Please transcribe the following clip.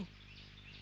sekarang sudah beres